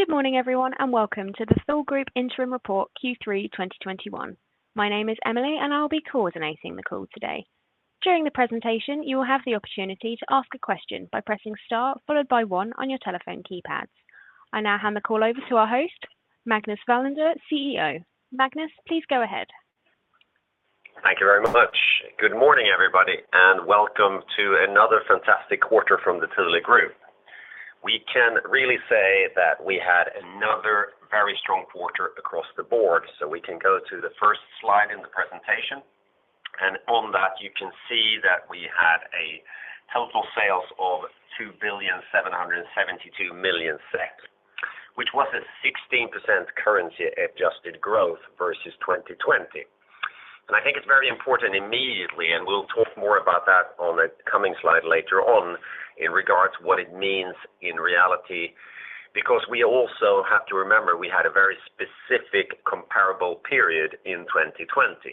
Good morning everyone, and welcome to the Thule Group Interim Report Q3 2021. My name is Emily and I'll be coordinating the call today. During the presentation, you will have the opportunity to ask a question by pressing star followed by one on your telephone keypads. I now hand the call over to our host, Magnus Welander, CEO. Magnus, please go ahead. Thank you very much. Good morning everybody, and welcome to another fantastic quarter from the Thule Group. We can really say that we had another very strong quarter across the board. We can go to the first slide in the presentation, and on that you can see that we had a total sales of 2,772,000,000, which was a 16% currency adjusted growth versus 2020. I think it's very important immediately, and we'll talk more about that on a coming slide later on in regards to what it means in reality, because we also have to remember we had a very specific comparable period in 2020.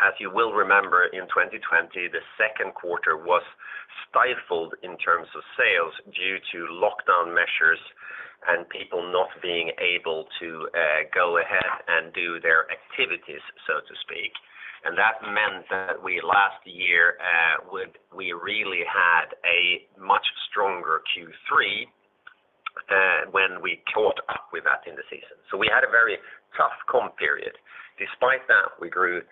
As you will remember, in 2020, the second quarter was stifled in terms of sales due to lockdown measures and people not being able to go ahead and do their activities, so to speak. That meant that we last year we really had a much stronger Q3 when we caught up with that in the season. We had a very tough comp period. Despite that, we grew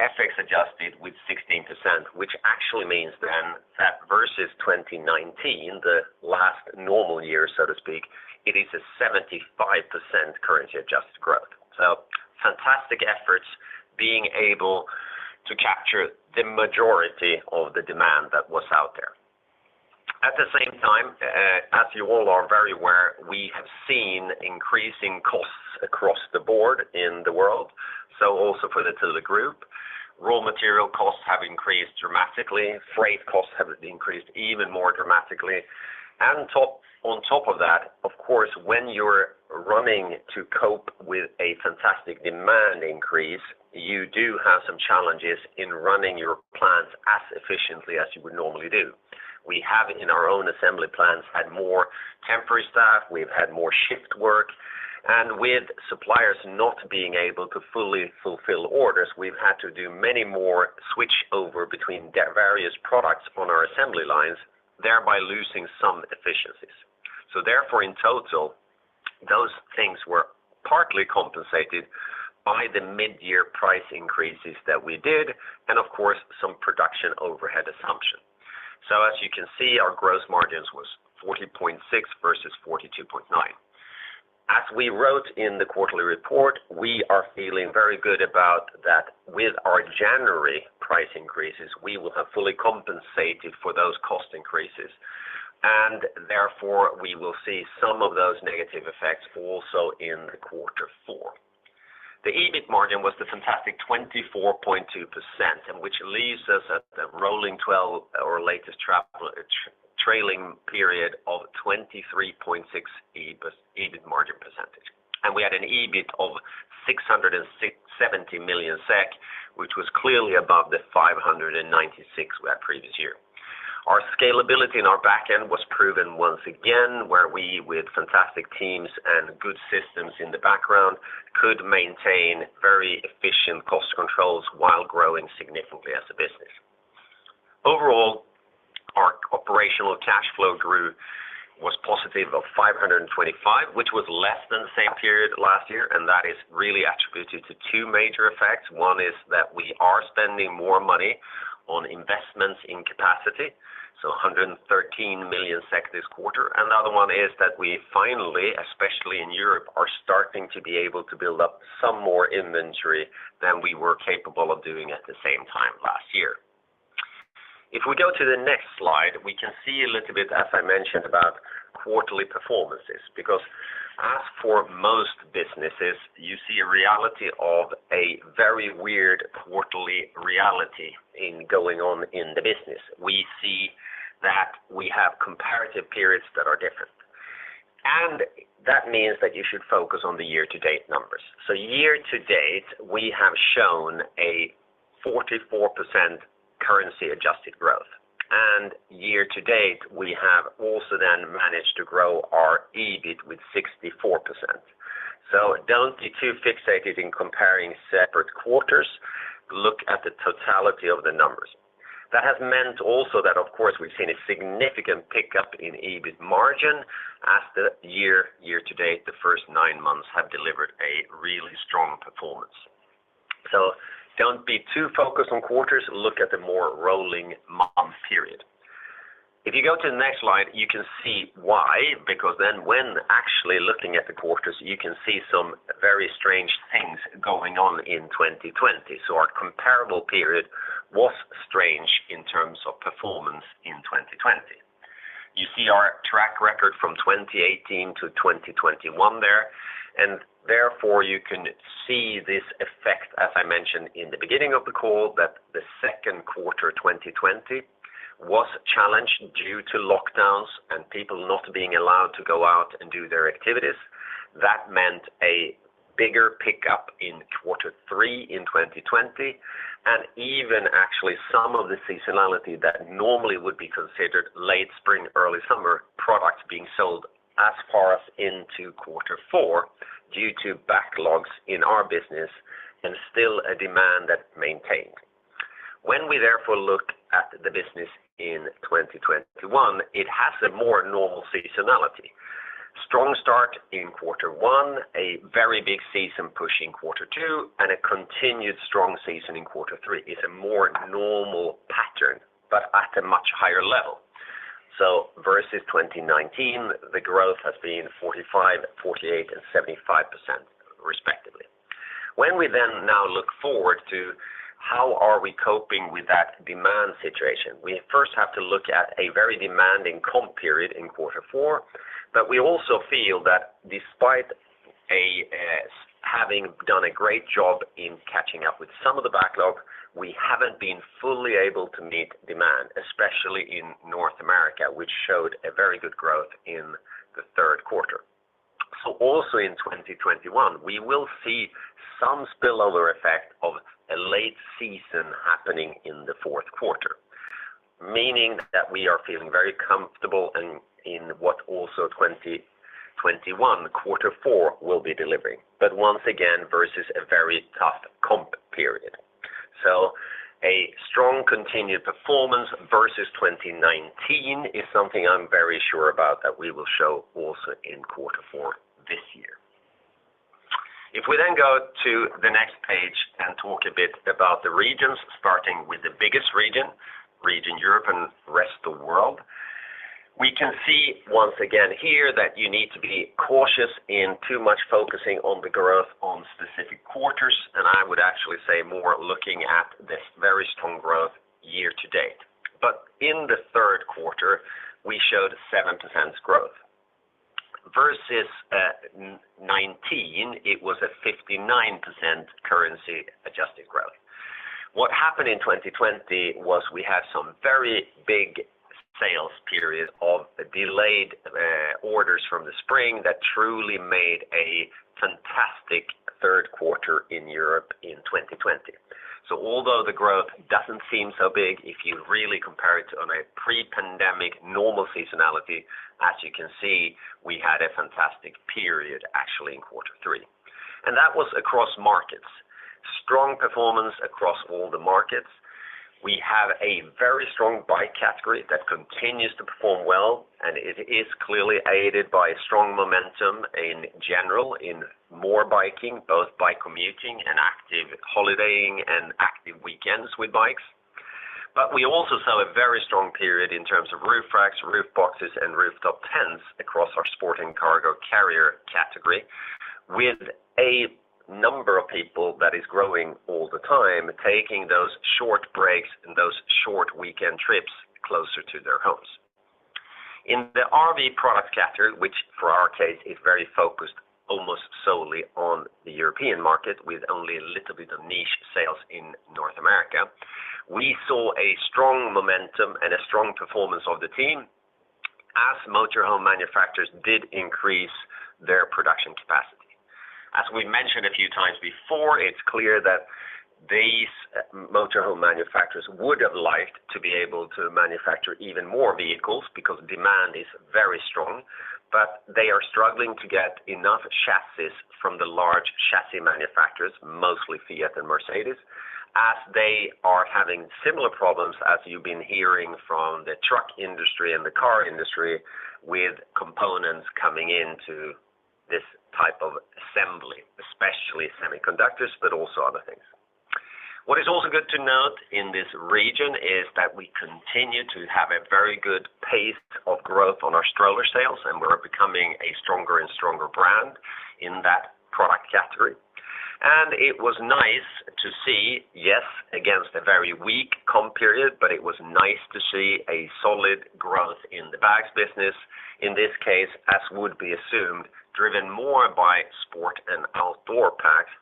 FX adjusted with 16%, which actually means then that versus 2019, the last normal year, so to speak, it is a 75% currency adjusted growth. Fantastic efforts being able to capture the majority of the demand that was out there. At the same time, as you all are very aware, we have seen increasing costs across the board in the world. Also for the Thule Group, raw material costs have increased dramatically, freight costs have increased even more dramatically. On top of that, of course, when you're running to cope with a fantastic demand increase, you do have some challenges in running your plants as efficiently as you would normally do. We have in our own assembly plants had more temporary staff, we've had more shift work, and with suppliers not being able to fully fulfill orders, we've had to do many more switch over between various products on our assembly lines, thereby losing some efficiencies. Therefore, in total, those things were partly compensated by the mid-year price increases that we did and of course, some production overhead assumption. As you can see, our gross margins was 40.6% versus 42.9%. As we wrote in the quarterly report, we are feeling very good about that with our January price increases, we will have fully compensated for those cost increases, and therefore we will see some of those negative effects also in the quarter four. The EBIT margin was the fantastic 24.2%, and which leaves us at the rolling 12 or latest trailing period of 23.6% EBIT margin. We had an EBIT of 670 million SEK, which was clearly above the 596 million we had previous year. Our scalability in our back end was proven once again where we, with fantastic teams and good systems in the background, could maintain very efficient cost controls while growing significantly as a business. Overall, our operational cash flow grew, was positive of 525 million, which was less than the same period last year, and that is really attributed to two major effects. One is that we are spending more money on investments in capacity, so 113 million this quarter. Another one is that we finally, especially in Europe, are starting to be able to build up some more inventory than we were capable of doing at the same time last year. If we go to the next slide, we can see a little bit, as I mentioned, about quarterly performances. As for most businesses, you see a reality of a very weird quarterly reality in going on in the business. We see that we have comparative periods that are different, that means that you should focus on the year-to-date numbers. Year-to-date, we have shown a 44% currency adjusted growth. Year-to-date, we have also then managed to grow our EBIT with 64%. Don't be too fixated in comparing separate quarters. Look at the totality of the numbers. That has meant also that of course we've seen a significant pickup in EBIT margin as the year-to-date, the first nine months have delivered a really strong performance. Don't be too focused on quarters, look at the more rolling month period. If you go to the next slide, you can see why, because then when actually looking at the quarters, you can see some very strange things going on in 2020. Our comparable period was strange in terms of performance in 2020. You see our track record from 2018-2021 there, and therefore you can see this effect, as I mentioned in the beginning of the call, that the second quarter 2020 was challenged due to lockdowns and people not being allowed to go out and do their activities. That meant a bigger pickup in quarter three in 2020, and even actually some of the seasonality that normally would be considered late spring, early summer products being sold as far as into quarter four due to backlogs in our business and still a demand that maintained. When we therefore look at the business in 2021, it has a more normal seasonality. Strong start in quarter one, a very big season push in quarter two, and a continued strong season in quarter three is a more normal pattern, at a much higher level. Versus 2019, the growth has been 45%, 48%, and 75% respectively. When we now look forward to how are we coping with that demand situation, we first have to look at a very demanding comp period in quarter four, we also feel that despite having done a great job in catching up with some of the backlog, we haven't been fully able to meet demand, especially in North America, which showed a very good growth in the third quarter. Also in 2021, we will see some spillover effect of a late season happening in the fourth quarter, meaning that we are feeling very comfortable in what also 2021 quarter four will be delivering. Once again, versus a very tough comp period. A strong continued performance versus 2019 is something I am very sure about that we will show also in quarter four this year. We then go to the next page and talk a bit about the regions, starting with the biggest region Europe and rest of the world, we can see once again here that you need to be cautious in too much focusing on the growth on specific quarters, and I would actually say more looking at this very strong growth year-to-date. In the third quarter, we showed 7% growth versus 2019, it was a 59% currency adjusted growth. What happened in 2020 was we had some very big sales period of delayed orders from the spring that truly made a fantastic third quarter in Europe in 2020. Although the growth doesn't seem so big, if you really compare it on a pre-pandemic normal seasonality, as you can see, we had a fantastic period actually in quarter three. That was across markets. Strong performance across all the markets. We have a very strong bike category that continues to perform well, and it is clearly aided by a strong momentum in general in more biking, both by commuting and active holidaying and active weekends with bikes. We also saw a very strong period in terms of roof racks, roof boxes, and rooftop tents across our Sport&Cargo Carriers category with a number of people that is growing all the time, taking those short breaks and those short weekend trips closer to their homes. In the RV Products category, which for our case, is very focused almost solely on the European market with only a little bit of niche sales in North America, we saw a strong momentum and a strong performance of the team as motor home manufacturers did increase their production capacity. As we mentioned a few times before, it's clear that these motorhome manufacturers would have liked to be able to manufacture even more vehicles because demand is very strong, but they are struggling to get enough chassis from the large chassis manufacturers, mostly Fiat and Mercedes, as they are having similar problems as you've been hearing from the truck industry and the car industry with components coming into this type of assembly, especially semiconductors, but also other things. What is also good to note in this region is that we continue to have a very good pace of growth on our stroller sales, and we're becoming a stronger and stronger brand in that product category. It was nice to see, yes, against a very weak comp period, but it was nice to see a solid growth in the bags business. In this case, as would be assumed, driven more by sport and outdoor packs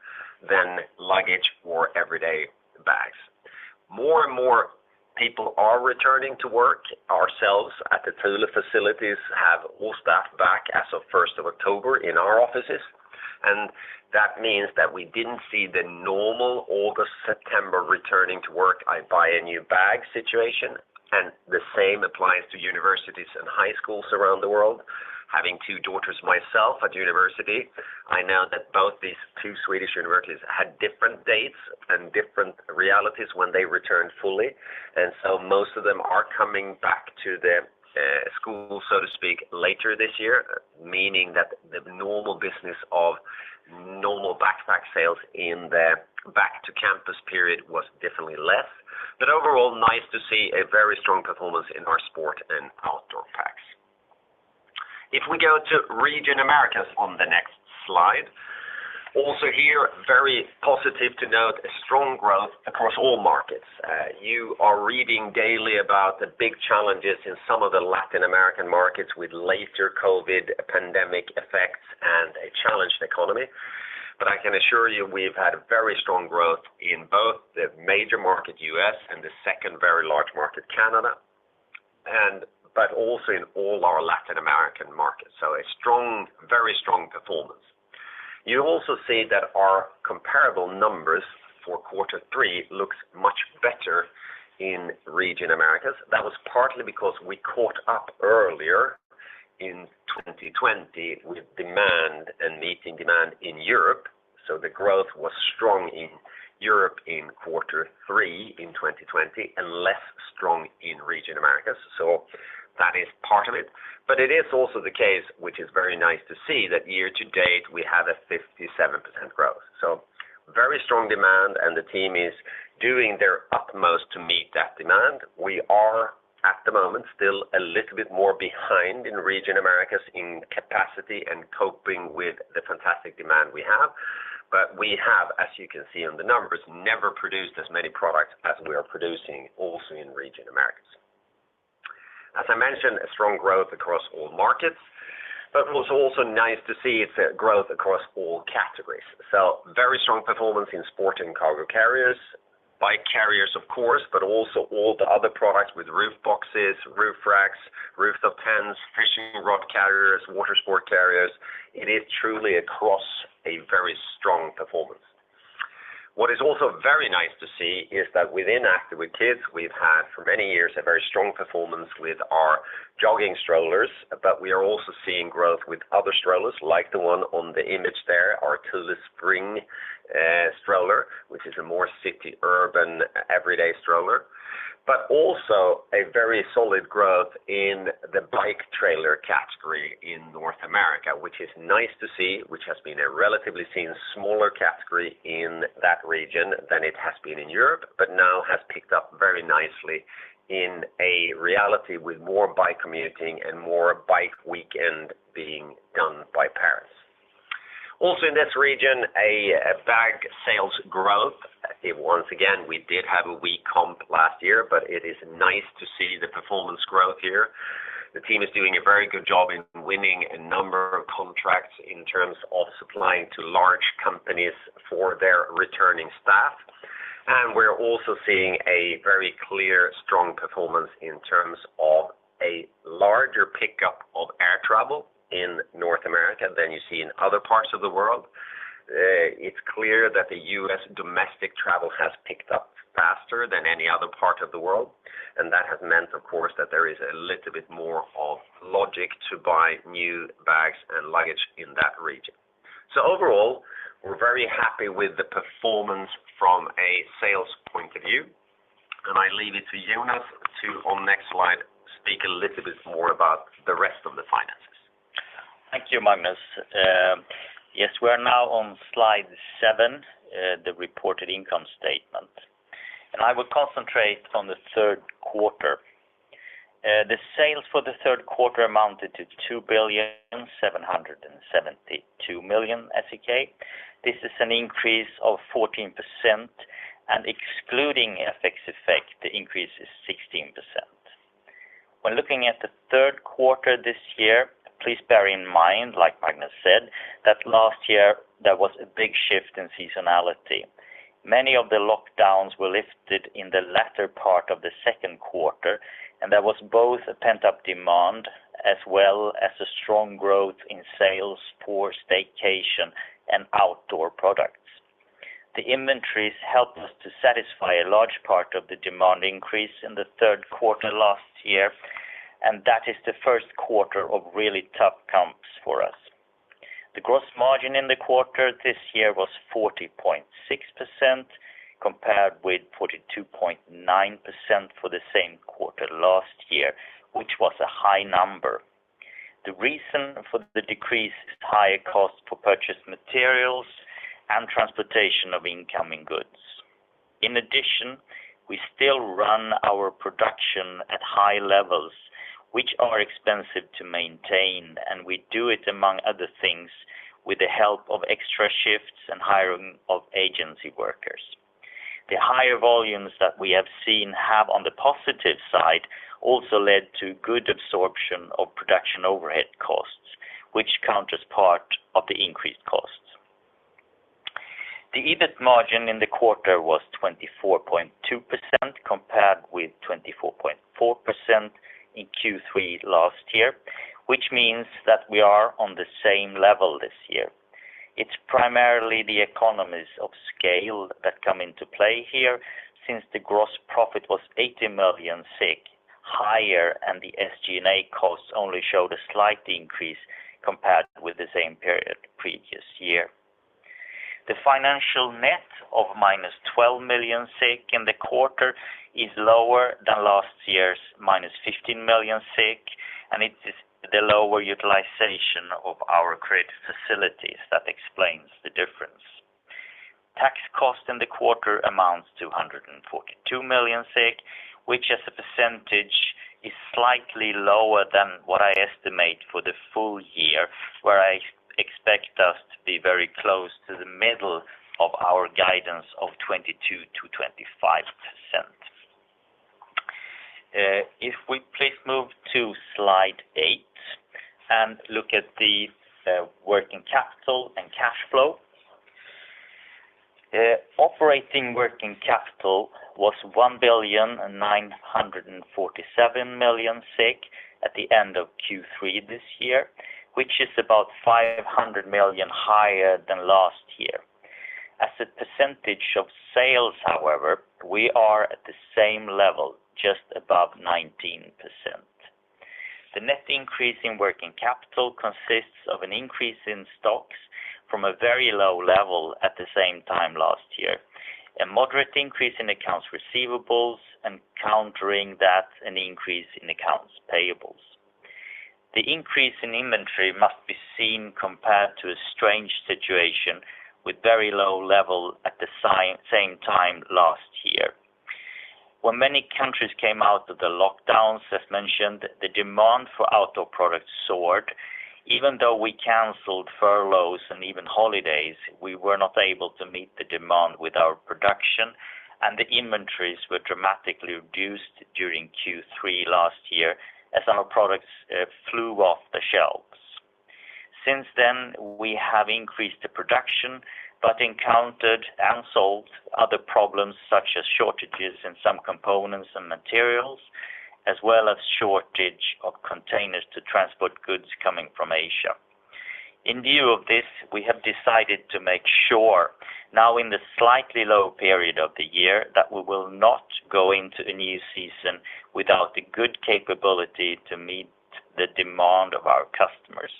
than luggage or everyday bags. More and more people are returning to work. Ourselves, at the Thule facilities, have all staff back as of 1st of October in our offices. That means that we didn't see the normal August, September returning to work, I buy a new bag situation. The same applies to universities and high schools around the world. Having two daughters myself at university, I know that both these two Swedish universities had different dates and different realities when they returned fully. Most of them are coming back to the school, so to speak, later this year, meaning that the normal business of normal backpack sales in the back to campus period was definitely less. Overall, nice to see a very strong performance in our sport and outdoor packs. We go to Region Americas on the next slide. Here, very positive to note a strong growth across all markets. You are reading daily about the big challenges in some of the Latin American markets with later COVID pandemic effects and a challenged economy. I can assure you we've had very strong growth in both the major market, U.S., and the second very large market, Canada. Also in all our Latin American markets. A very strong performance. You also see that our comparable numbers for Q3 looks much better in Region Americas. That was partly because we caught up earlier in 2020 with demand and meeting demand in Europe. The growth was strong in Europe in Q3 in 2020 and less strong in Region Americas. That is part of it. It is also the case, which is very nice to see, that year to date we have a 57% growth. Very strong demand and the team is doing their utmost to meet that demand. We are, at the moment, still a little bit more behind in region Americas in capacity and coping with the fantastic demand we have. We have, as you can see on the numbers, never produced as many products as we are producing also in region Americas. As I mentioned, a strong growth across all markets, but it was also nice to see it's a growth across all categories. Very strong performance in Sport&Cargo Carriers, bike carriers of course, but also all the other products with roof boxes, roof racks, roof top tents, fishing rod carriers, water sport carriers. It is truly across a very strong performance. What is also very nice to see is that within Active with Kids, we've had for many years a very strong performance with our jogging strollers, but we are also seeing growth with other strollers like the one on the image there, our Thule Spring stroller, which is a more city, urban, everyday stroller. Also a very solid growth in the bike trailer category in North America, which is nice to see, which has been a relatively seen smaller category in that region than it has been in Europe, but now has picked up very nicely in a reality with more bike commuting and more bike weekend being done by parents. Also in this region, a bag sales growth. Once again, we did have a weak comp last year, but it is nice to see the performance growth here. The team is doing a very good job in winning a number of contracts in terms of supplying to large companies for their returning staff. We're also seeing a very clear, strong performance in terms of a larger pickup of air travel in North America than you see in other parts of the world. It's clear that the U.S. domestic travel has picked up faster than any other part of the world, and that has meant, of course, that there is a little bit more of logic to buy new bags and luggage in that region. Overall, we're very happy with the performance from a sales point of view, and I leave it to Jonas to, on next slide, speak a little bit more about the rest of the finances. Thank you, Magnus. I will concentrate on the third quarter. The sales for the third quarter amounted to 2,772,000,000 SEK. This is an increase of 14%. Excluding FX effect, the increase is 16%. When looking at the third quarter this year, please bear in mind, like Magnus said, that last year there was a big shift in seasonality. Many of the lockdowns were lifted in the latter part of the second quarter. There was both a pent-up demand as well as a strong growth in sales for staycation and outdoor products. The inventories helped us to satisfy a large part of the demand increase in the third quarter last year. That is the first quarter of really tough comps for us. The gross margin in the quarter this year was 40.6% compared with 42.9% for the same quarter last year, which was a high number. The reason for the decrease is higher cost for purchased materials and transportation of incoming goods. In addition, we still run our production at high levels, which are expensive to maintain, and we do it among other things, with the help of extra shifts and hiring of agency workers. The higher volumes that we have seen have on the positive side also led to good absorption of production overhead costs, which counters part of the increased costs. The EBIT margin in the quarter was 24.2% compared with 24.4% in Q3 last year, which means that we are on the same level this year. It's primarily the economies of scale that come into play here since the gross profit was 80 million higher and the SG&A costs only showed a slight increase compared with the same period previous year. The financial net of -12 million in the quarter is lower than last year's -15 million, It is the lower utilization of our credit facilities that explains the difference. Tax cost in the quarter amounts to 142 million SEK, which as a percentage is slightly lower than what I estimate for the full year, where I expect us to be very close to the middle of our guidance of 22%-25%. If we please move to slide eight and look at the working capital and cash flow. Operating working capital was 1,947,000,000 SEK at the end of Q3 this year, which is about 500 million higher than last year. As a percentage of sales, however, we are at the same level, just above 19%. The net increase in working capital consists of an increase in stocks from a very low level at the same time last year, a moderate increase in accounts receivables and countering that, an increase in accounts payables. The increase in inventory must be seen compared to a strange situation with very low level at the same time last year. When many countries came out of the lockdowns, as mentioned, the demand for outdoor products soared. Even though we canceled furloughs and even holidays, we were not able to meet the demand with our production, and the inventories were dramatically reduced during Q3 last year as our products flew off the shelves. Since then, we have increased the production, but encountered and solved other problems such as shortages in some components and materials, as well as shortage of containers to transport goods coming from Asia. In view of this, we have decided to make sure now in the slightly low period of the year, that we will not go into a new season without the good capability to meet the demand of our customers.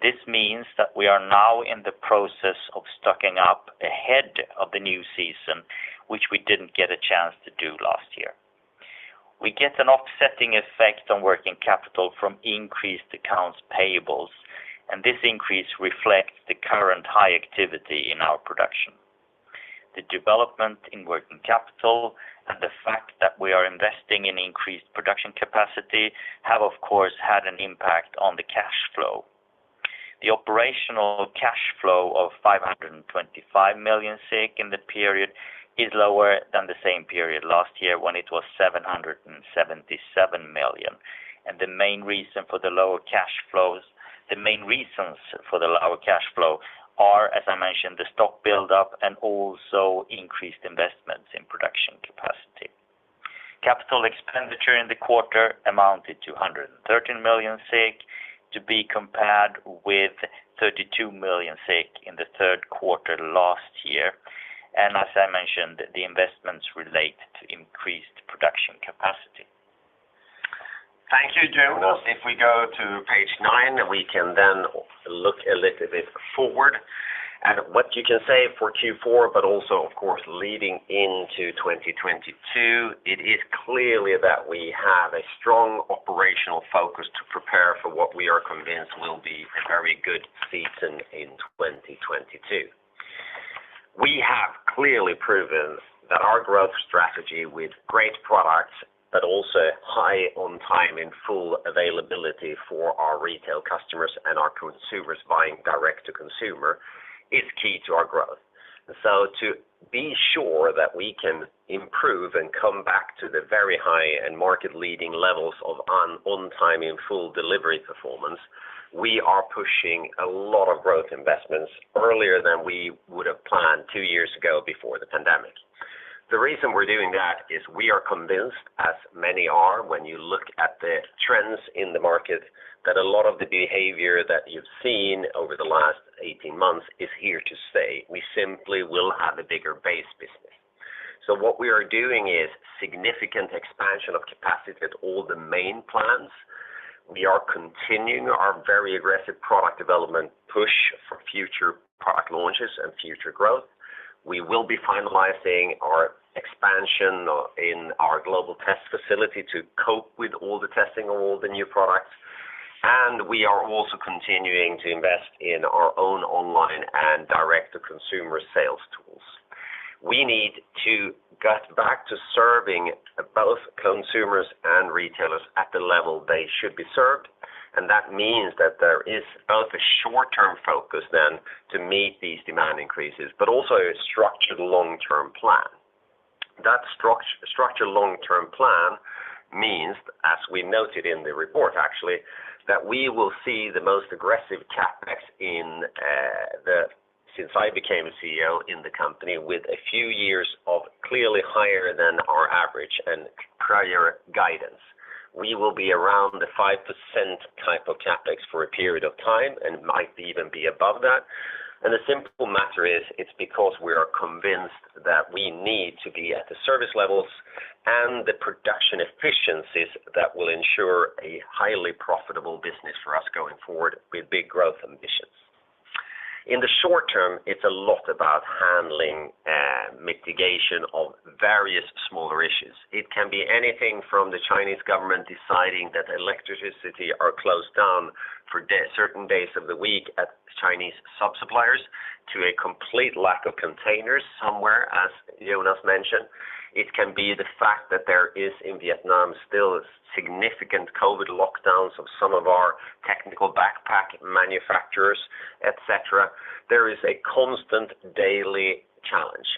This means that we are now in the process of stocking up ahead of the new season, which we didn't get a chance to do last year. We get an offsetting effect on working capital from increased accounts payables, and this increase reflects the current high activity in our production. The development in working capital, and the fact that we are investing in increased production capacity have, of course, had an impact on the cash flow. The operational cash flow of 525 million in the period is lower than the same period last year when it was 777 million. The main reasons for the lower cash flow are, as I mentioned, the stock buildup and also increased investments in production capacity. Capital expenditure in the quarter amounted to 113 million to be compared with 32 million in the third quarter last year. As I mentioned, the investments relate to increased production capacity. Thank you, Jonas. We go to page nine, we can then look a little bit forward at what you can say for Q4, but also, of course, leading into 2022. It is clear that we have a strong operational focus to prepare for what we are convinced will be a very good season in 2022. We have clearly proven that our growth strategy with great products, but also high on time in full availability for our retail customers and our consumers buying direct to consumer is key to our growth. To be sure that we can improve and come back to the very high and market-leading levels of on-time in full delivery performance, we are pushing a lot of growth investments earlier than we would have planned two years ago before the pandemic. The reason we're doing that is we are convinced, as many are, when you look at the trends in the market, that a lot of the behavior that you've seen over the last 18 months is here to stay. We simply will have a bigger base business. What we are doing is significant expansion of capacity at all the main plants. We are continuing our very aggressive product development push for future product launches and future growth. We will be finalizing our expansion in our global test facility to cope with all the testing of all the new products, and we are also continuing to invest in our own online and direct-to-consumer sales tools. We need to get back to serving both consumers and retailers at the level they should be served, and that means that there is both a short-term focus then to meet these demand increases, but also a structured long-term plan. That structured long-term plan means, as we noted in the report, actually, that we will see the most aggressive CapEx since I became a CEO in the company with a few years of clearly higher than our average and prior guidance. We will be around the 5% type of CapEx for a period of time and might even be above that. The simple matter is, it's because we are convinced that we need to be at the service levels and the production efficiencies that will ensure a highly profitable business for us going forward with big growth ambitions. In the short term, it's a lot about handling mitigation of various smaller issues. It can be anything from the Chinese government deciding that electricity are closed down for certain days of the week at Chinese sub-suppliers to a complete lack of containers somewhere, as Jonas mentioned. It can be the fact that there is in Vietnam, still significant COVID lockdowns of some of our technical backpack manufacturers, et cetera. There is a constant daily challenge.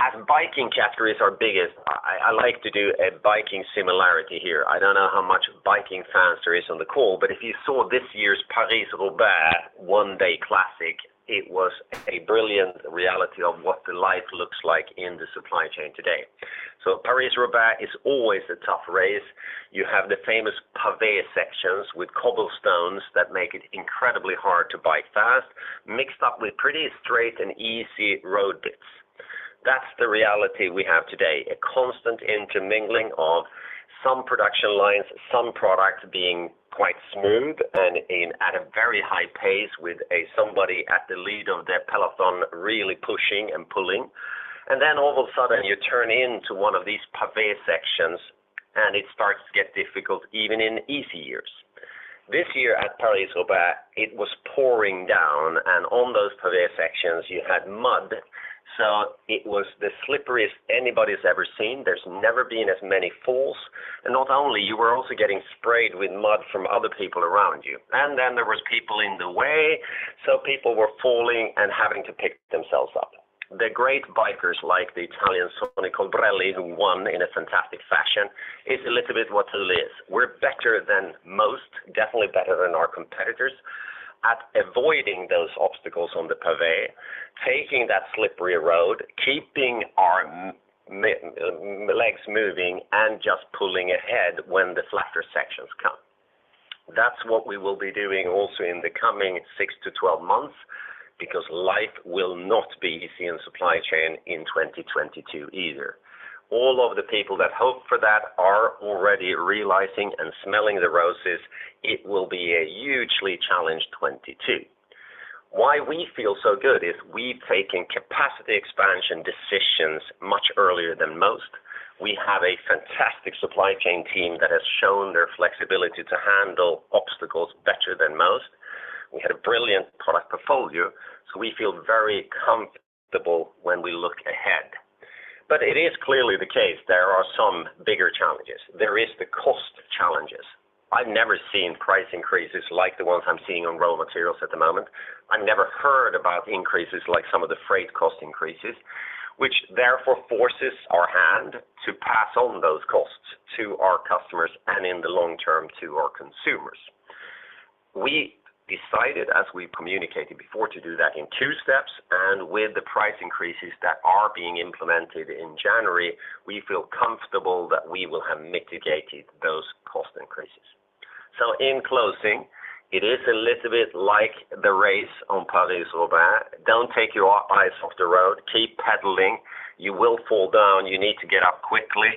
As biking category is our biggest, I like to do a biking similarity here. I don't know how much biking fans there is on the call, but if you saw this year's Paris-Roubaix one-day classic, it was a brilliant reality of what the life looks like in the supply chain today. Paris-Roubaix is always a tough race. You have the famous pavé sections with cobblestones that make it incredibly hard to bike fast, mixed up with pretty straight and easy road bits. That's the reality we have today, a constant intermingling of some production lines, some products being quite smooth and at a very high pace with somebody at the lead of their peloton really pushing and pulling. Then all of a sudden you turn into one of these pavé sections and it starts to get difficult even in easy years. This year at Paris-Roubaix, it was pouring down. On those pavé sections you had mud, so it was the slipperiest anybody's ever seen. There's never been as many falls. Not only, you were also getting sprayed with mud from other people around you. Then there was people in the way, so people were falling and having to pick themselves up. The great bikers like the Italian Sonny Colbrelli, who won in a fantastic fashion, is a little bit what Thule is. We're better than most, definitely better than our competitors, at avoiding those obstacles on the pavé, taking that slippery road, keeping our legs moving, and just pulling ahead when the flatter sections come. That's what we will be doing also in the coming six to 12 months, because life will not be easy in supply chain in 2022 either. All of the people that hope for that are already realizing and smelling the roses, it will be a hugely challenged 2022. Why we feel so good is we've taken capacity expansion decisions much earlier than most. We have a fantastic supply chain team that has shown their flexibility to handle obstacles better than most. We had a brilliant product portfolio, so we feel very comfortable when we look ahead. It is clearly the case, there are some bigger challenges. There is the cost challenges. I've never seen price increases like the ones I'm seeing on raw materials at the moment. I've never heard about increases like some of the freight cost increases, which therefore forces our hand to pass on those costs to our customers, and in the long term, to our consumers. We decided, as we communicated before, to do that in two steps, and with the price increases that are being implemented in January, we feel comfortable that we will have mitigated those cost increases. In closing, it is a little bit like the race on Paris-Roubaix. Don't take your eyes off the road. Keep pedaling. You will fall down. You need to get up quickly,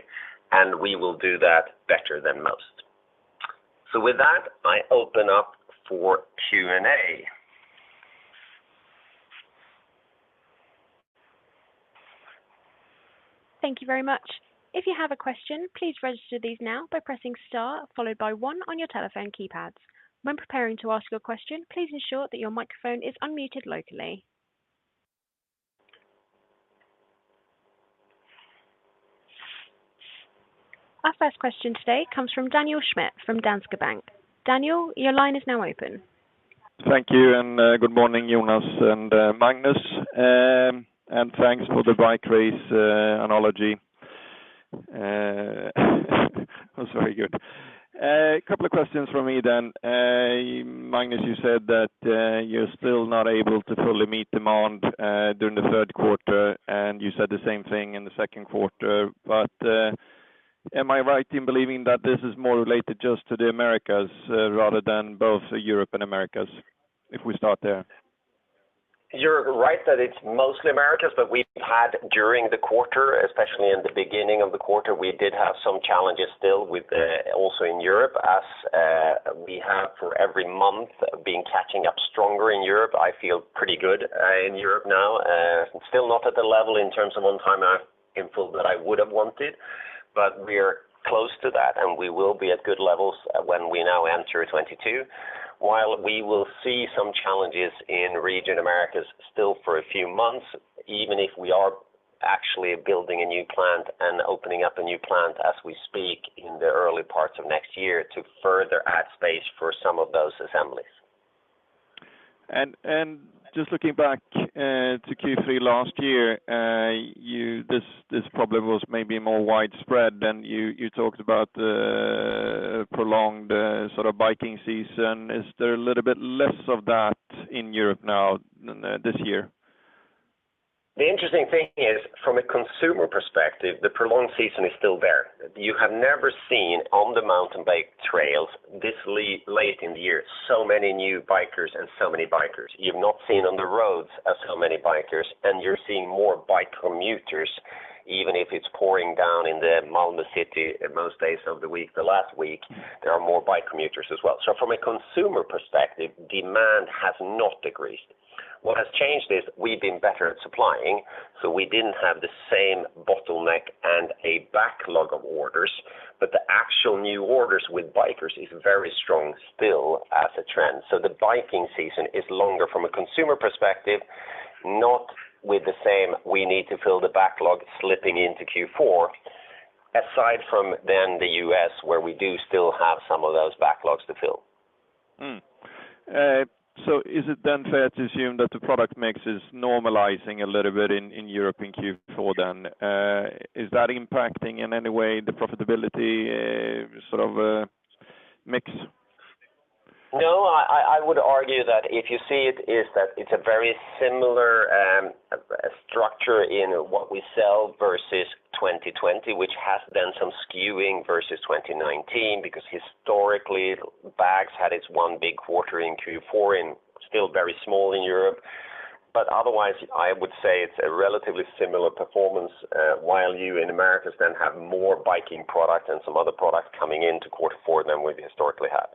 and we will do that better than most. With that, I open up for Q&A. Thank you very much. If you have a question, please register these now by pressing star followed by one on your telephone keypads. When preparing to ask your question, please ensure that your microphone is unmuted locally. Our first question today comes from Daniel Schmidt from Danske Bank. Daniel, your line is now open. Thank you. Good morning, Jonas and Magnus, and thanks for the bike race analogy. It was very good. Couple of questions from me, then. Magnus, you said that you're still not able to fully meet demand during the third quarter, and you said the same thing in the second quarter. Am I right in believing that this is more related just to the Americas rather than both Europe and Americas, if we start there? You're right that it's mostly Americas, but we've had during the quarter, especially in the beginning of the quarter, we did have some challenges still also in Europe as we have for every month been catching up stronger in Europe. I feel pretty good in Europe now. Still not at the level in terms of on time in full that I would have wanted, but we're close to that, and we will be at good levels when we now enter 2022. While we will see some challenges in region Americas still for a few months, even if we are actually building a new plant and opening up a new plant as we speak in the early parts of next year to further add space for some of those assemblies. Just looking back to Q3 last year, this problem was maybe more widespread than you talked about the prolonged sort of biking season. Is there a little bit less of that in Europe now this year? The interesting thing is, from a consumer perspective, the prolonged season is still there. You have never seen on the mountain bike trails this late in the year, so many new bikers and so many bikers. You've not seen on the roads as so many bikers, and you're seeing more bike commuters, even if it's pouring down in the Malmö city most days of the week. The last week, there are more bike commuters as well. From a consumer perspective, demand has not decreased. What has changed is we've been better at supplying, so we didn't have the same bottleneck and a backlog of orders. The actual new orders with bikers is very strong still as a trend. The biking season is longer from a consumer perspective, not with the same we need to fill the backlog slipping into Q4, aside from then the U.S., where we do still have some of those backlogs to fill. Is it fair to assume that the product mix is normalizing a little bit in Europe in Q4? Is that impacting in any way the profitability mix? I would argue that if you see it's a very similar structure in what we sell versus 2020, which has done some skewing versus 2019 because historically, bags had its one big quarter in Q4 and still very small in Europe. Otherwise, I would say it's a relatively similar performance. You in Americas then have more biking product and some other products coming into quarter four than we historically had.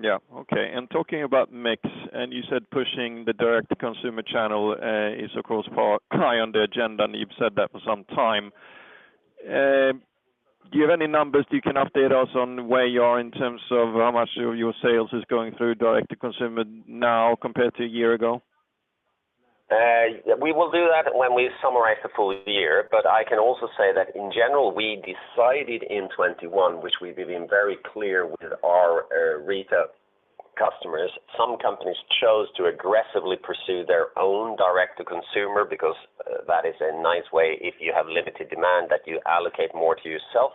Yeah. Okay. Talking about mix, and you said pushing the direct to consumer channel is of course high on the agenda, and you've said that for some time. Do you have any numbers you can update us on where you are in terms of how much of your sales is going through direct to consumer now compared to a year ago? We will do that when we summarize the full year. I can also say that in general, we decided in 2021, which we've been very clear with our retail customers. Some companies chose to aggressively pursue their own direct to consumer because that is a nice way if you have limited demand that you allocate more to yourself.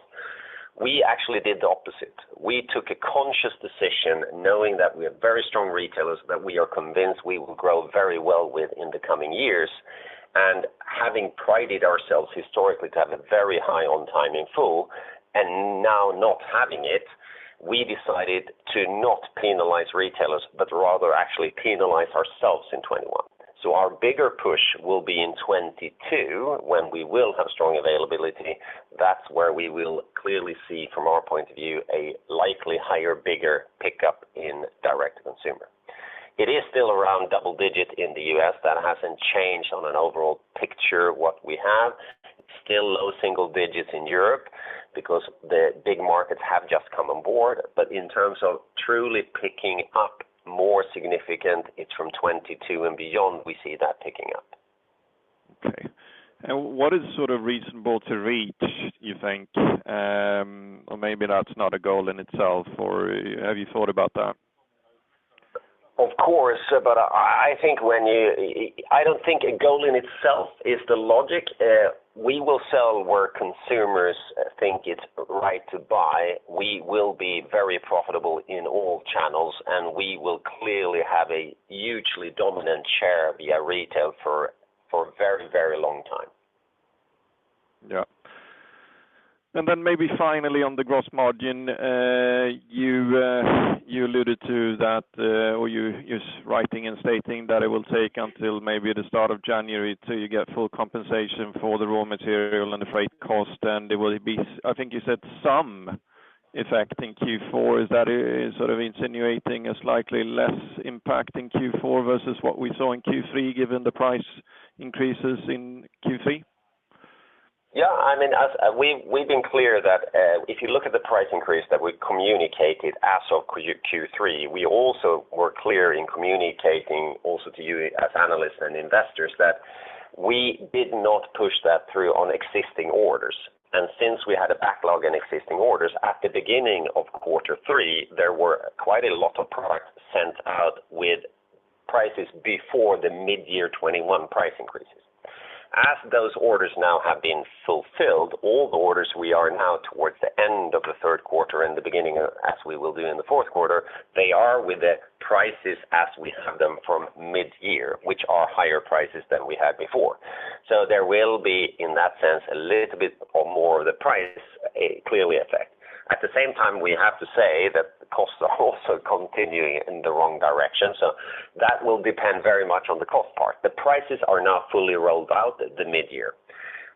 We actually did the opposite. We took a conscious decision knowing that we have very strong retailers that we are convinced we will grow very well with in the coming years, and having prided ourselves historically to have a very high on time in full, and now not having it, we decided to not penalize retailers, but rather actually penalize ourselves in 2021. Our bigger push will be in 2022, when we will have strong availability. That's where we will clearly see, from our point of view, a likely higher, bigger pickup in direct to consumer. It is still around double-digit in the U.S. That hasn't changed on an overall picture what we have. Still low single-digits in Europe because the big markets have just come on board. In terms of truly picking up more significant, it's from 2022 and beyond, we see that picking up. Okay. What is reasonable to reach, you think? Maybe that's not a goal in itself or have you thought about that? Of course. I don't think a goal in itself is the logic. We will sell where consumers think it's right to buy. We will be very profitable in all channels, and we will clearly have a hugely dominant share via retail for a very long time. Yeah. Maybe finally on the gross margin, you alluded to that, or you're writing and stating that it will take until maybe the start of January till you get full compensation for the raw material and the freight cost. I think you said some effect in Q4. Is that insinuating a slightly less impact in Q4 versus what we saw in Q3 given the price increases in Q3? Yeah, we've been clear that if you look at the price increase that we communicated as of Q3, we also were clear in communicating also to you as analysts and investors that we did not push that through on existing orders. Since we had a backlog in existing orders at the beginning of quarter three, there were quite a lot of products sent out with prices before the mid-year 2021 price increases. As those orders now have been fulfilled, all the orders we are now towards the end of the third quarter and the beginning of, as we will do in the fourth quarter, they are with the prices as we have them from mid-year, which are higher prices than we had before. There will be, in that sense, a little bit or more of the price clearly affect. At the same time, we have to say that the costs are also continuing in the wrong direction. That will depend very much on the cost part. The prices are now fully rolled out at the mid-year.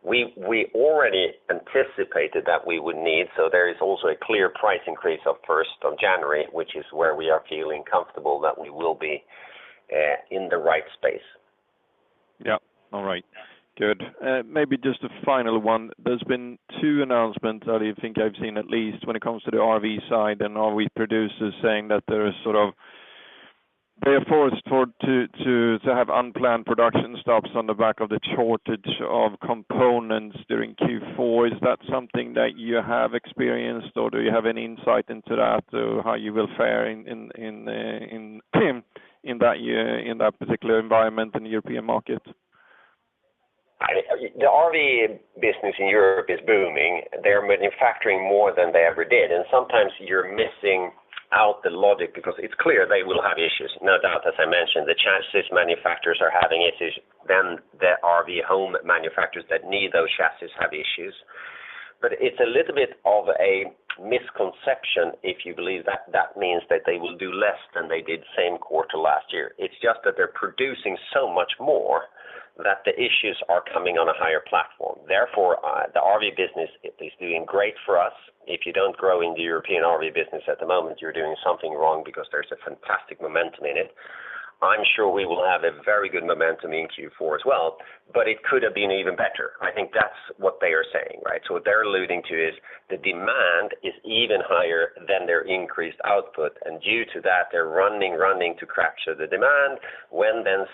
We already anticipated that we would need. There is also a clear price increase of 1st of January, which is where we are feeling comfortable that we will be in the right space. Yeah. All right. Good. Maybe just a final one. There's been two announcements that I think I've seen, at least when it comes to the RV side and RV producers saying that they're forced to have unplanned production stops on the back of the shortage of components during Q4. Is that something that you have experienced, or do you have any insight into that, or how you will fare in that particular environment in the European market? The RV business in Europe is booming. They're manufacturing more than they ever did, and sometimes you're missing out the logic because it's clear they will have issues, no doubt. As I mentioned, the chassis manufacturers are having issues, then the RV home manufacturers that need those chassis have issues. It's a little bit of a misconception if you believe that means that they will do less than they did same quarter last year. It's just that they're producing so much more that the issues are coming on a higher platform. Therefore, the RV business is doing great for us. If you don't grow in the European RV business at the moment, you're doing something wrong because there's a fantastic momentum in it. I'm sure we will have a very good momentum in Q4 as well, but it could have been even better. I think that's what they are saying. What they're alluding to is the demand is even higher than their increased output, and due to that, they're running to capture the demand.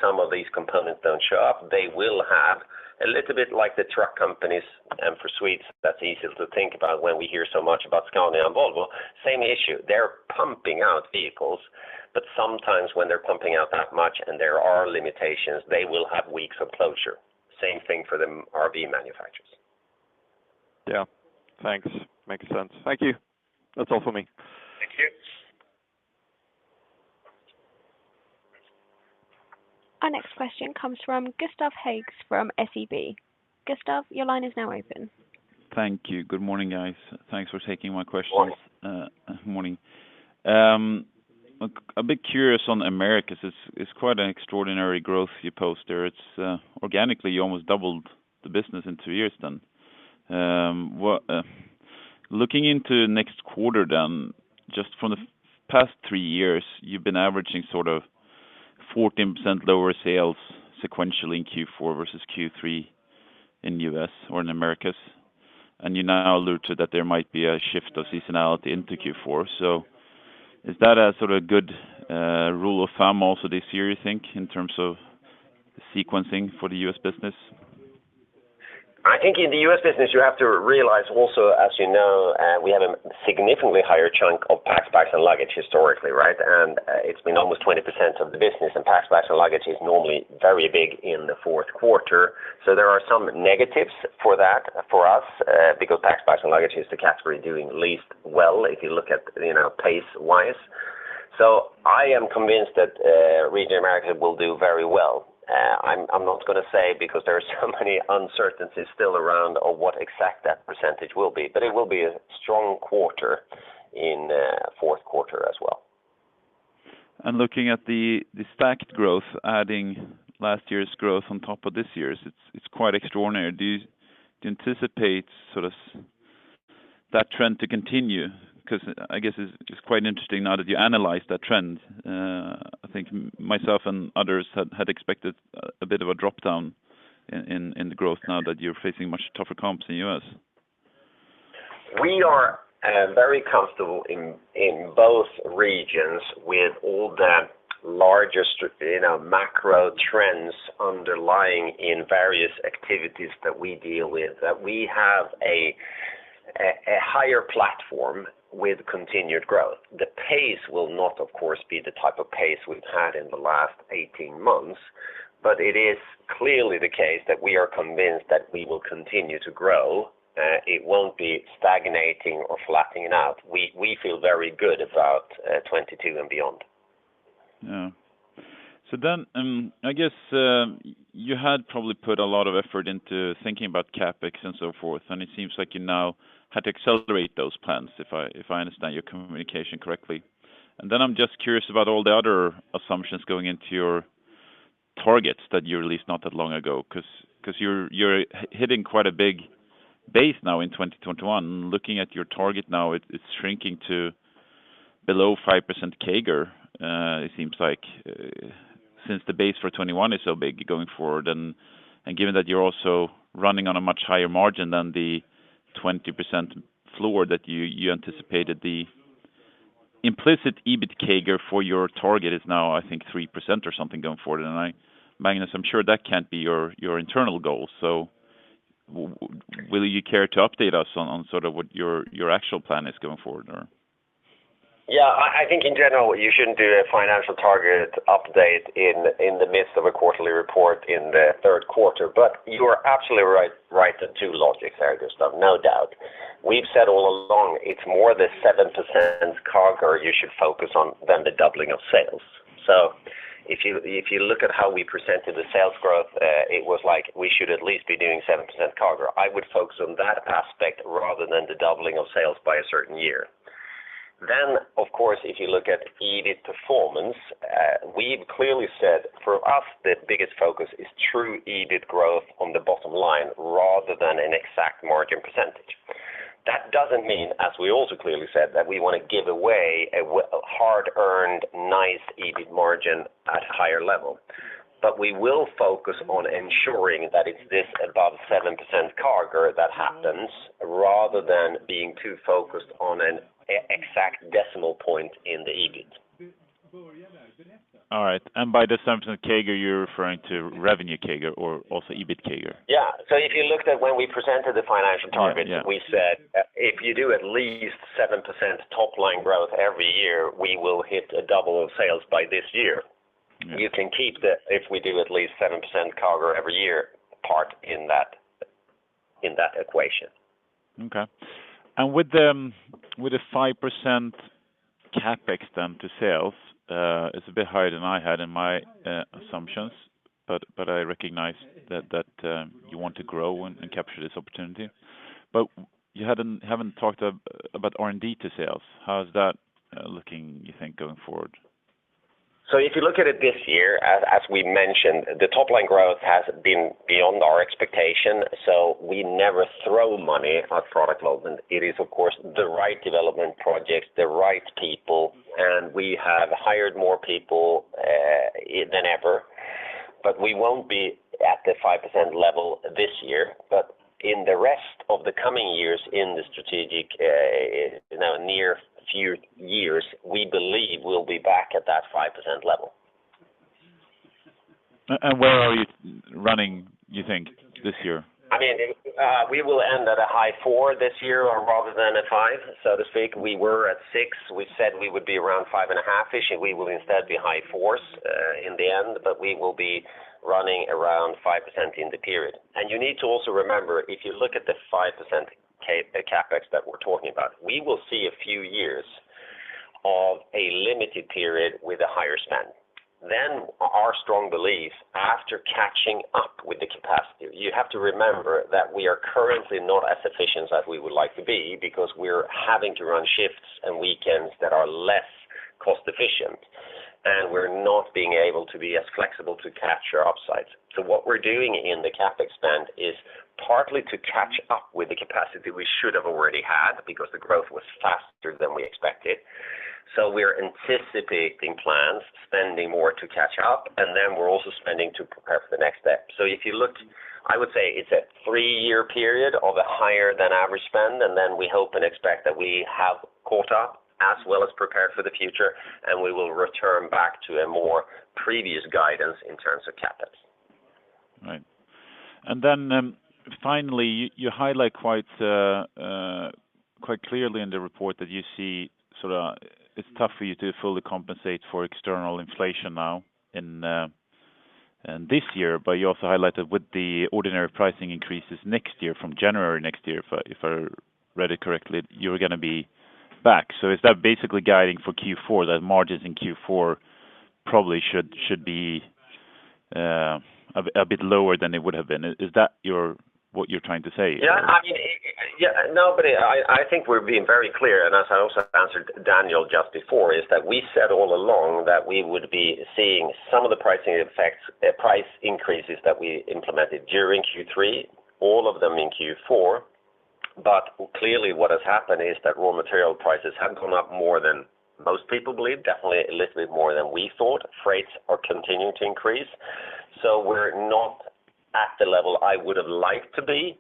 Some of these components don't show up, they will have a little bit like the truck companies, and for Swedes, that's easy to think about when we hear so much about Scania and Volvo. Same issue. They're pumping out vehicles, but sometimes when they're pumping out that much and there are limitations, they will have weeks of closure. Same thing for the RV manufacturers. Yeah. Thanks. Makes sense. Thank you. That's all for me. Our next question comes from Gustav Hagéus from SEB. Gustav, your line is now open. Thank you. Good morning, guys. Thanks for taking my questions. Good morning. Morning. I'm a bit curious on Americas. It's quite an extraordinary growth you post there. Organically, you almost doubled the business in two years then. Looking into next quarter then, just for the past three years, you've been averaging 14% lower sales sequentially in Q4 versus Q3 in U.S. or in Americas. You now allude to that there might be a shift of seasonality into Q4. Is that a good rule of thumb also this year, you think, in terms of the sequencing for the U.S. business? I think in the U.S. business, you have to realize also, as you know, we have a significantly higher chunk of Packs, Bags, & Luggage historically, right? It's been almost 20% of the business, and Packs, Bags, & Luggage is normally very big in the fourth quarter. There are some negatives for that for us, because Packs, Bags, & Luggage is the category doing least well if you look at pace-wise. I am convinced that Region America will do very well. I'm not going to say, because there are so many uncertainties still around on what exact that percentage will be. It will be a strong quarter in fourth quarter as well. Looking at the stacked growth, adding last year's growth on top of this year's, it's quite extraordinary. Do you anticipate that trend to continue? I guess it's quite interesting now that you analyze that trend. I think myself and others had expected a bit of a drop-down in the growth now that you're facing much tougher comps in U.S. We are very comfortable in both regions with all the largest macro trends underlying in various activities that we deal with, that we have a higher platform with continued growth. The pace will not, of course, be the type of pace we've had in the last 18 months, but it is clearly the case that we are convinced that we will continue to grow. It won't be stagnating or flattening out. We feel very good about 2022 and beyond. I guess you had probably put a lot of effort into thinking about CapEx and so forth, and it seems like you now had to accelerate those plans, if I understand your communication correctly. I'm just curious about all the other assumptions going into your targets that you released not that long ago, because you're hitting quite a big base now in 2021. Looking at your target now, it's shrinking to below 5% CAGR, it seems like, since the base for 2021 is so big going forward. Given that you're also running on a much higher margin than the 20% floor that you anticipated, the implicit EBIT CAGR for your target is now, I think, 3% or something going forward. Magnus, I'm sure that can't be your internal goal. Will you care to update us on what your actual plan is going forward? Yeah, I think in general, you shouldn't do a financial target update in the midst of a quarterly report in the third quarter. You are absolutely right, the two logics there, Gustav, no doubt. We've said all along, it's more the 7% CAGR you should focus on than the doubling of sales. If you look at how we presented the sales growth, it was like we should at least be doing 7% CAGR. I would focus on that aspect rather than the doubling of sales by a certain year. Of course, if you look at EBIT performance, we've clearly said for us, the biggest focus is true EBIT growth on the bottom line rather than an exact margin percentage. That doesn't mean, as we also clearly said, that we want to give away a hard-earned, nice EBIT margin at a higher level. We will focus on ensuring that it's this above 7% CAGR that happens rather than being too focused on an exact decimal point in the EBIT. All right. By the assumption of CAGR, you're referring to revenue CAGR or also EBIT CAGR? Yeah. If you looked at when we presented the financial targets. We said, if you do at least 7% top-line growth every year, we will hit a double of sales by this year. Yeah. You can keep that, if we do at least 7% CAGR every year, part in that equation. Okay. With the 5% CapEx then to sales, it's a bit higher than I had in my assumptions, but I recognize that you want to grow and capture this opportunity. You haven't talked about R&D to sales. How's that looking, you think, going forward? If you look at it this year, as we mentioned, the top-line growth has been beyond our expectation. We never throw money at product development. It is, of course, the right development projects, the right people, and we have hired more people than ever, but we won't be at the 5% level this year. In the rest of the coming years in the strategic near few years, we believe we'll be back at that 5% level. Where are you running, you think, this year? We will end at a high 4% this year rather than a 5%, so to speak. We were at 6%. We said we would be around 5% and a half-ish, and we will instead be high 4s in the end, but we will be running around 5% in the period. You need to also remember, if you look at the 5% CapEx that we're talking about, we will see a few years of a limited period with a higher spend. Our strong belief, after catching up with the capacity, you have to remember that we are currently not as efficient as we would like to be because we're having to run shifts and weekends that are less cost efficient, and we're not being able to be as flexible to capture upsides. What we're doing in the CapEx spend is partly to catch up with the capacity we should have already had because the growth was faster than we expected. We're anticipating plans, spending more to catch up, and then we're also spending to prepare for the next step. If you looked, I would say it's a three-year period of a higher than average spend, and then we hope and expect that we have caught up as well as prepared for the future, and we will return back to a more previous guidance in terms of CapEx. Right. Finally, you highlight quite clearly in the report that it's tough for you to fully compensate for external inflation now in this year, you also highlighted with the ordinary pricing increases next year, from January next year, if I read it correctly, you're going to be back. Is that basically guiding for Q4, that margins in Q4 probably should be a bit lower than it would've been? Is that what you're trying to say? Yeah. No, I think we're being very clear, and as I also answered Daniel just before, is that we said all along that we would be seeing some of the pricing effects, price increases that we implemented during Q3, all of them in Q4, clearly what has happened is that raw material prices have gone up more than most people believed. Definitely a little bit more than we thought. Freights are continuing to increase. We're not at the level I would've liked to be,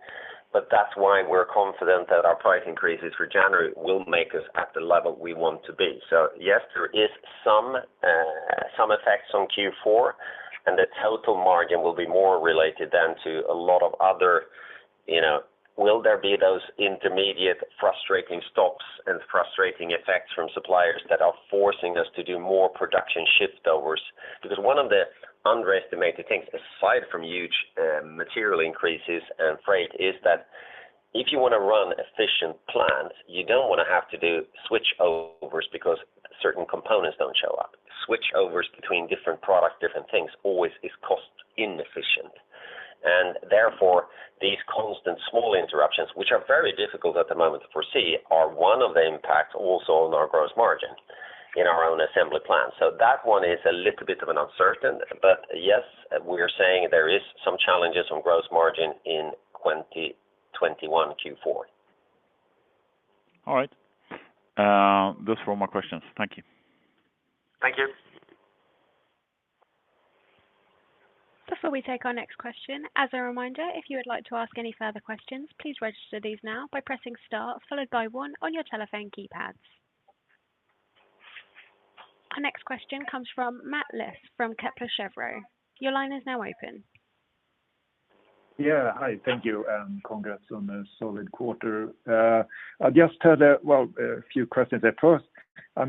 but that's why we're confident that our price increases for January will make us at the level we want to be. Yes, there is some effects on Q4, and the total margin will be more related then to a lot of other, will there be those intermediate frustrating stops and frustrating effects from suppliers that are forcing us to do more production shift overs. Because one of the underestimated things, aside from huge material increases and freight, is that if you want to run efficient plants, you don't want to have to do switch overs because certain components don't show up. Switch overs between different product, different things, always is cost inefficient. Therefore, these constant small interruptions, which are very difficult at the moment to foresee, are one of the impacts also on our gross margin in our own assembly plant. That one is a little bit of an uncertain, but yes, we are saying there is some challenges on gross margin in 2021 Q4. All right. Those were all my questions. Thank you. Thank you. Before we take our next question, as a reminder, if you would like to ask any further questions, please register these now by pressing star, followed by one on your telephone keypads. Our next question comes from Mats Liss from Kepler Cheuvreux. Your line is now open. Yeah. Hi. Thank you. Congrats on a solid quarter. I just had a few questions there. First,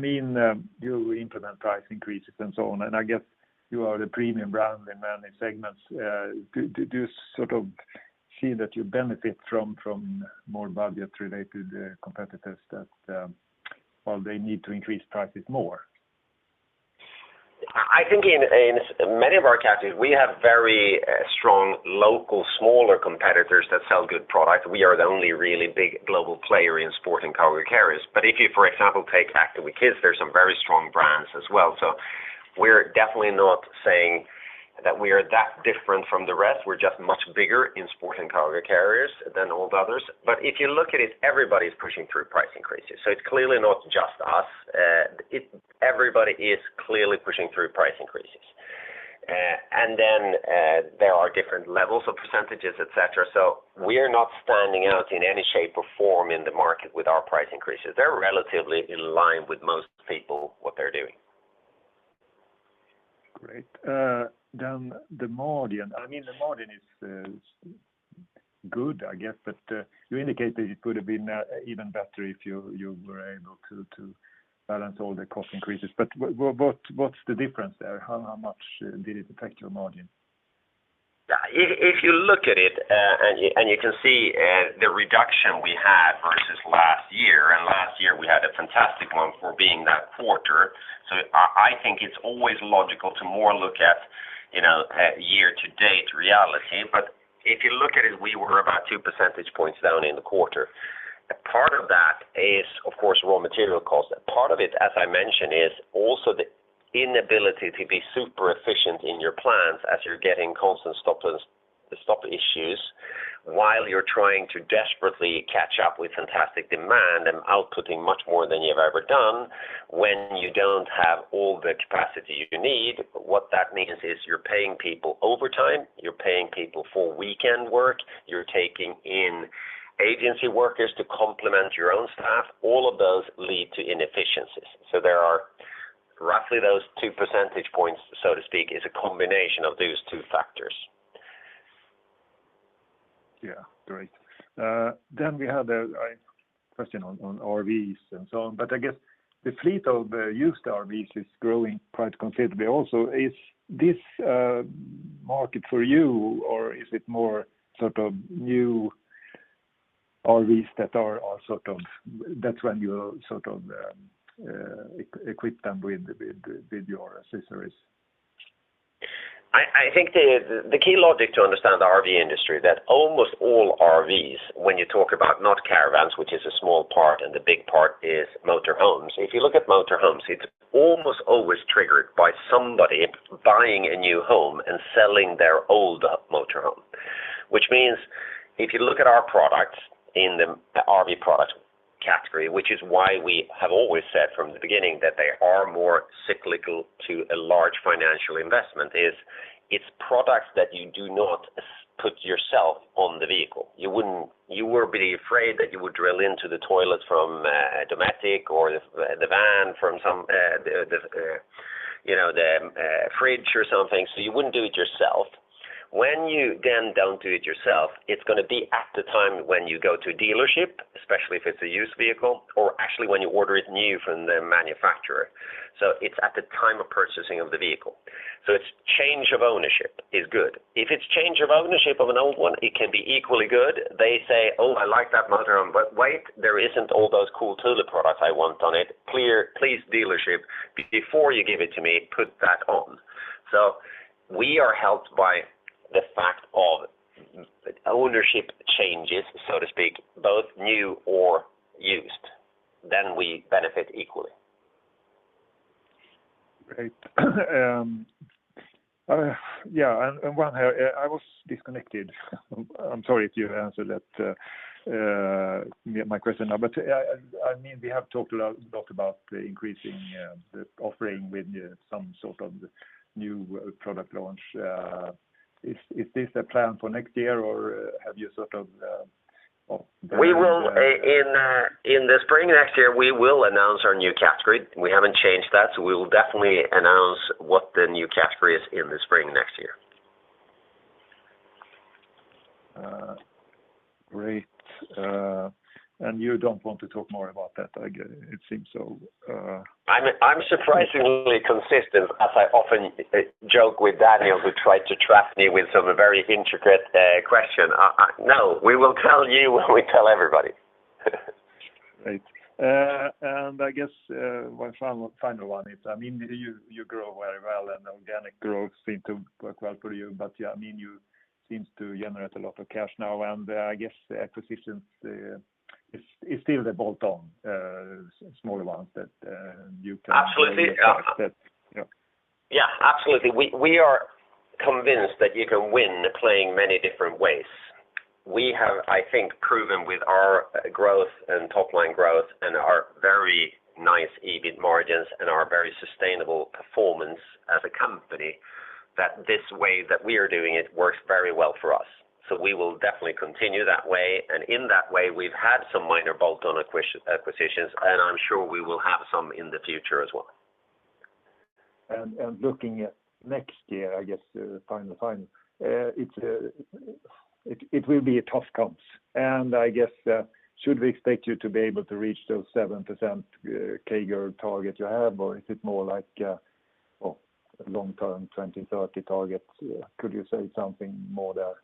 you implement price increases and so on, and I guess you are the premium brand in many segments. Do you sort of see that you benefit from more budget-related competitors that while they need to increase prices more? I think in many of our categories, we have very strong local, smaller competitors that sell good product. We are the only really big global player in Sport&Cargo Carriers. If you, for example, take Active with Kids, there's some very strong brands as well. We're definitely not saying that we are that different from the rest. We're just much bigger in Sport&Cargo Carriers than all the others. If you look at it, everybody's pushing through price increases. It's clearly not just us. Everybody is clearly pushing through price increases. Then there are different levels of percentages, et cetera. We are not standing out in any shape or form in the market with our price increases. They're relatively in line with most people, what they're doing. Great. The margin. I mean the margin is good, I guess, but you indicate that it could have been even better if you were able to balance all the cost increases. What's the difference there? How much did it affect your margin? If you look at it, you can see the reduction we had versus last year, last year we had a fantastic one for being that quarter. I think it's always logical to more look at year to date reality. If you look at it, we were about 2 percentage points down in the quarter. Part of that is, of course, raw material cost. Part of it, as I mentioned, is also the inability to be super efficient in your plants as you're getting constant stop issues while you're trying to desperately catch up with fantastic demand and outputting much more than you've ever done when you don't have all the capacity you need. What that means is you're paying people overtime, you're paying people for weekend work, you're taking in agency workers to complement your own staff. All of those lead to inefficiencies. There are roughly those 2 percentage points, so to speak, is a combination of those two factors. Great. We have a question on RVs and so on. I guess the fleet of used RVs is growing quite considerably also. Is this market for you, or is it more sort of new RVs that are sort of, that's when you equip them with your accessories. I think the key logic to understand the RV industry is that almost all RVs, when you talk about not caravans, which is a small part, and the big part is motor homes. If you look at motor homes, it's almost always triggered by somebody buying a new home and selling their old motor home, which means if you look at our products in the RV products category, which is why we have always said from the beginning that they are more cyclical to a large financial investment, is it's products that you do not put yourself on the vehicle. You would be afraid that you would drill into the toilet from Dometic or the van from the fridge or something. You wouldn't do it yourself. When you then don't do it yourself, it's going to be at the time when you go to a dealership, especially if it's a used vehicle or actually when you order it new from the manufacturer. It's at the time of purchasing the vehicle. It's change of ownership is good. If it's change of ownership of an old one, it can be equally good. They say, "Oh, I like that motor home. Wait, there isn't all those cool Thule products I want on it. Please, dealership, before you give it to me, put that on." We are helped by the fact of ownership changes, so to speak, both new or used, then we benefit equally. Great. Yeah, I was disconnected. I'm sorry if you answered my question now. We have talked a lot about the increasing the offering with some sort of new product launch. Is this the plan for next year? In the spring next year, we will announce our new category. We haven't changed that. We will definitely announce what the new category is in the spring next year. Great. You don't want to talk more about that, I get it. I'm surprisingly consistent, as I often joke with Daniel, who tried to trap me with some very intricate question. No, we will tell you when we tell everybody. Great. I guess one final one is you grow very well and organic growth seem to work well for you, but you seems to generate a lot of cash now, and I guess the acquisitions is still the bolt-on small ones. Absolutely. Yeah. Yeah, absolutely. We are convinced that you can win playing many different ways. We have, I think proven with our growth and top-line growth and our very nice EBIT margins and our very sustainable performance as a company that this way that we are doing it works very well for us. We will definitely continue that way, and in that way, we've had some minor bolt-on acquisitions, and I'm sure we will have some in the future as well. Looking at next year, I guess, final time, it will be a tough comps, and I guess, should we expect you to be able to reach those 7% CAGR targets you have, or is it more like a long-term 2030 target? Could you say something more there?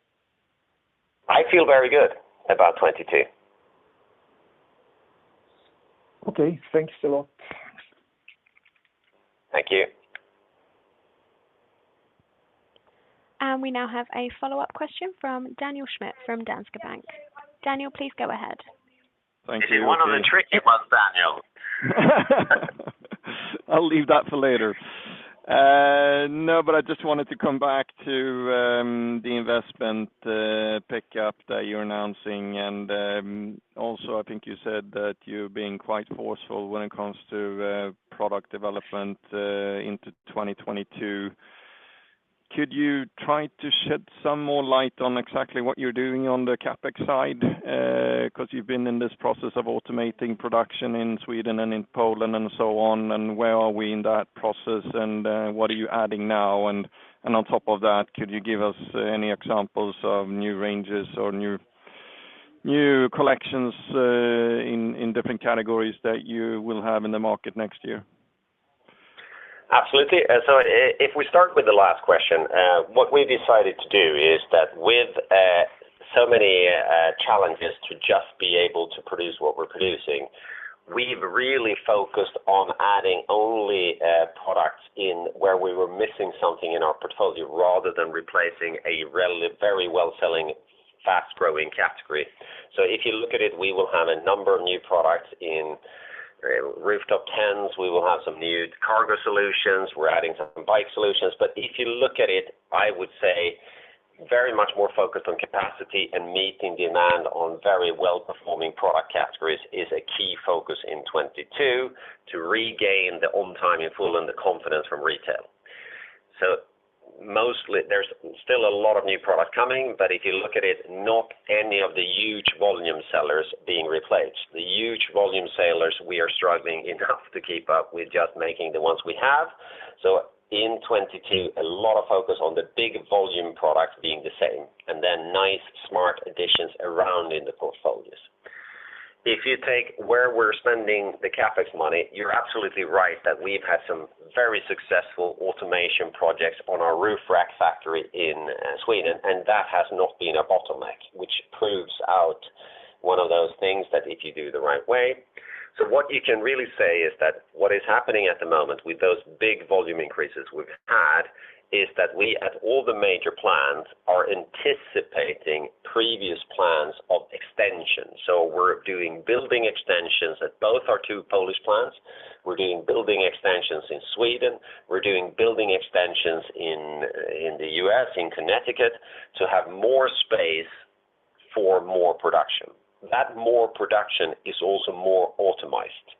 I feel very good about 2022. Okay. Thanks a lot. Thank you. We now have a follow-up question from Daniel Schmidt from Danske Bank. Daniel, please go ahead. Thank you. Is it one of the tricky ones, Daniel? I'll leave that for later. No, I just wanted to come back to the investment pickup that you're announcing. I think you said that you're being quite forceful when it comes to product development into 2022. Could you try to shed some more light on exactly what you're doing on the CapEx side? You've been in this process of automating production in Sweden and in Poland and so on, and where are we in that process, and what are you adding now? On top of that, could you give us any examples of new ranges or new collections in different categories that you will have in the market next year? Absolutely. If we start with the last question, what we decided to do is that with so many challenges to just be able to produce what we're producing, we've really focused on adding only products in where we were missing something in our portfolio rather than replacing a very well-selling, fast-growing category. If you look at it, we will have a number of new products in rooftop tents. We will have some new cargo solutions. We're adding some bike solutions. If you look at it, I would say very much more focused on capacity and meeting demand on very well-performing product categories is a key focus in 2022 to regain the on time in full and the confidence from retail. Mostly, there's still a lot of new product coming, but if you look at it, not any of the huge volume sellers being replaced. The huge volume sellers, we are struggling enough to keep up with just making the ones we have. In 2022, a lot of focus on the big volume products being the same, and then nice, smart additions around in the portfolios. If you take where we're spending the CapEx money, you're absolutely right that we've had some very successful automation projects on our roof rack factory in Sweden, and that has not been a bottleneck, which proves out one of those things that if you do the right way. What you can really say is that what is happening at the moment with those big volume increases we've had is that we, at all the major plants, are anticipating previous plans of extension. We're doing building extensions at both our two Polish plants. We're doing building extensions in Sweden. We're doing building extensions in the U.S., in Connecticut, to have more space for more production. That more production is also more automated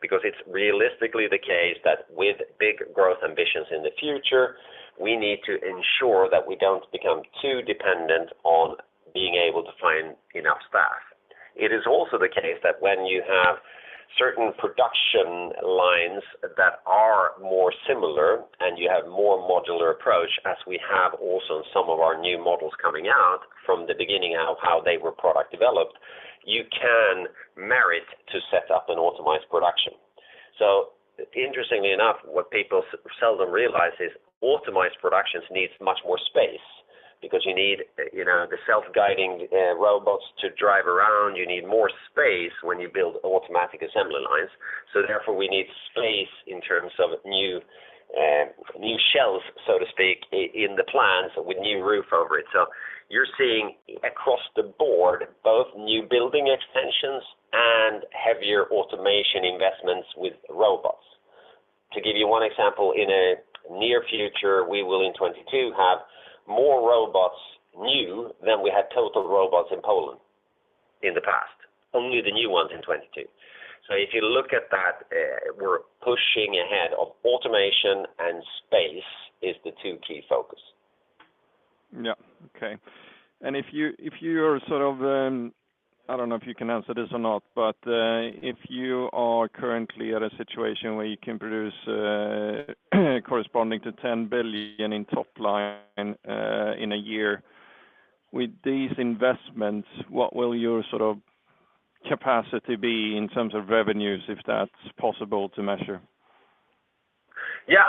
because it's realistically the case that with big growth ambitions in the future, we need to ensure that we don't become too dependent on being able to find enough staff. It is also the case that when you have certain production lines that are more similar and you have more modular approach, as we have also in some of our new models coming out from the beginning of how they were product developed, you can marry to set up an automated production. Interestingly enough, what people seldom realize is automated productions needs much more space because you need the self-guiding robots to drive around. You need more space when you build automatic assembly lines. Therefore, we need space in terms of new shelves, so to speak, in the plants with new roof over it. You're seeing across the board, both new building extensions and heavier automation investments with robots. To give you one example, in a near future, we will in 2022 have more robots new than we had total robots in Poland in the past, only the new ones in 2022. If you look at that, we're pushing ahead of automation and space is the two key focus. Yeah. Okay. I don't know if you can answer this or not, but if you are currently at a situation where you can produce corresponding to 10 billion in top line in a year, with these investments, what will your capacity be in terms of revenues, if that's possible to measure? Yeah,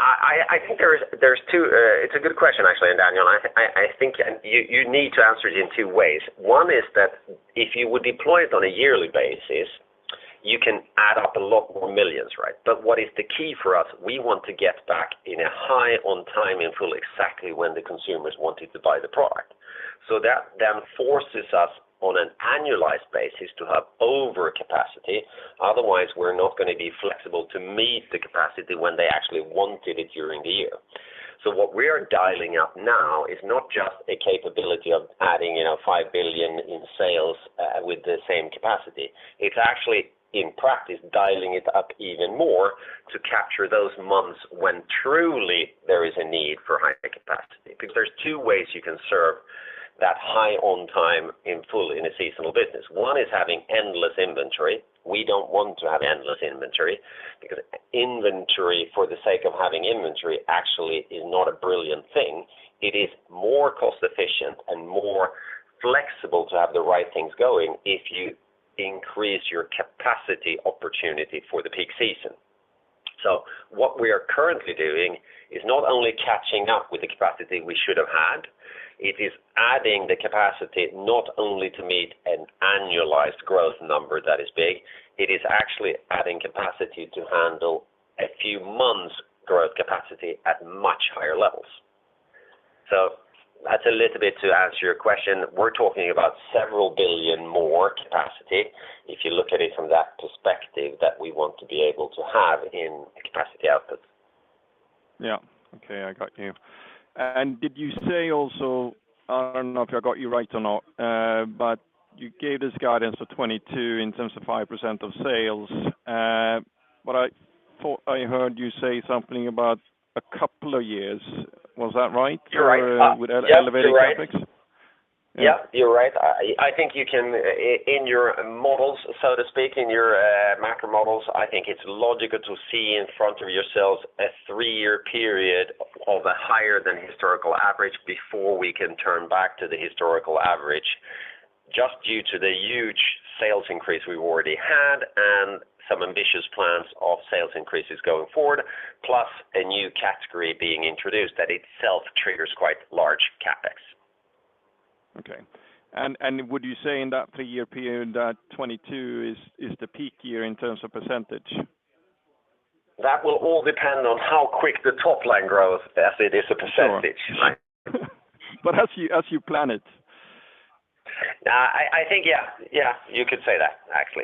it's a good question, actually, Daniel. I think you need to answer it in two ways. One is that if you would deploy it on a yearly basis, you can add up a lot more millions, right? What is the key for us, we want to get back in a high on time in full exactly when the consumers wanted to buy the product. That then forces us on an annualized basis to have over capacity. Otherwise, we're not going to be flexible to meet the capacity when they actually wanted it during the year. What we are dialing up now is not just a capability of adding 5 billion in sales with the same capacity. It's actually, in practice, dialing it up even more to capture those months when truly there is a need for high capacity. Because there's two ways you can serve that high on time in full in a seasonal business. One is having endless inventory. We don't want to have endless inventory because inventory for the sake of having inventory actually is not a brilliant thing. It is more cost-efficient and more flexible to have the right things going if you increase your capacity opportunity for the peak season. What we are currently doing is not only catching up with the capacity we should have had, it is adding the capacity not only to meet an annualized growth number that is big, it is actually adding capacity to handle a few months' growth capacity at much higher levels. That's a little bit to answer your question. We're talking about SEK several billion more capacity, if you look at it from that perspective, that we want to be able to have in capacity output. Yeah. Okay, I got you. Did you say also, I don't know if I got you right or not, but you gave this guidance for 2022 in terms of 5% of sales. I thought I heard you say something about a couple of years. Was that right? You're right. With elevating CapEx? Yeah, you're right. I think in your models, so to speak, in your macro models, I think it's logical to see in front of yourselves a three-year period of a higher than historical average before we can turn back to the historical average just due to the huge sales increase we've already had and some ambitious plans of sales increases going forward, plus a new category being introduced that itself triggers quite large CapEx. Okay. Would you say in that three-year period that 2022 is the peak year in terms of percentage? That will all depend on how quick the top line grows as it is a percentage. As you plan it. I think, yeah. You could say that, actually.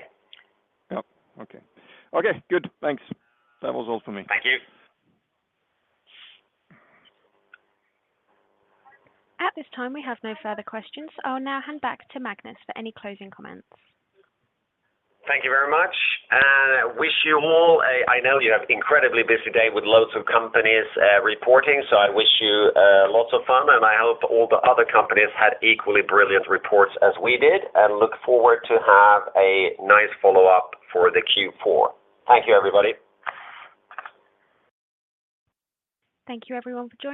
Yep. Okay. Okay, good. Thanks. That was all for me. Thank you. At this time, we have no further questions. I'll now hand back to Magnus for any closing comments. Thank you very much. I wish you all. I know you have incredibly busy day with loads of companies reporting. I wish you lots of fun. I hope all the other companies had equally brilliant reports as we did. I look forward to have a nice follow-up for the Q4. Thank you, everybody. Thank you, everyone, for joining.